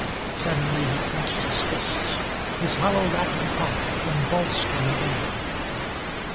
Suddenly he clenched his fists. His hollow racking cough convulsed him again.